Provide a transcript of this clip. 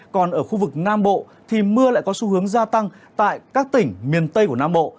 còn ở khu vực nam bộ thì mưa lại có xu hướng gia tăng tại các tỉnh miền tây của nam bộ